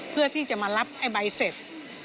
เพื่อที่จะมารับไอ้ใบเสร็จ